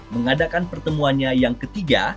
mengadakan pertemuannya yang ketiga